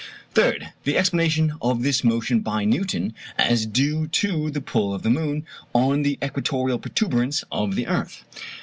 Third, the explanation of this motion by Newton as due to the pull of the moon on the equatorial protuberance of the earth.